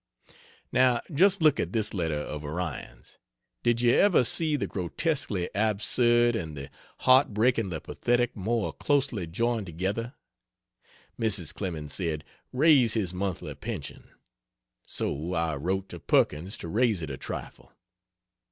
Now just look at this letter of Orion's. Did you ever see the grotesquely absurd and the heart breakingly pathetic more closely joined together? Mrs. Clemens said "Raise his monthly pension." So I wrote to Perkins to raise it a trifle.